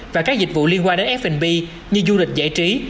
và các dịch vụ liên quan đến f b như du lịch giải trí